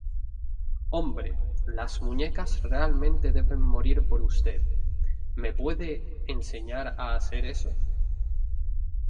Hombre, las muñecas realmente deben morir por usted. ¿ Me puede enseñar a hacer eso?.